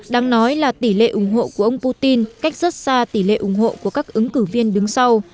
đáng nói là tỷ lệ ủng hộ của ông putin cách rất xa tỷ lệ ủng hộ của các ứng cử viên đứng sau